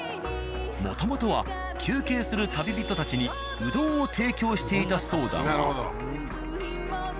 もともとは休憩する旅人たちにうどんを提供していたそうだが。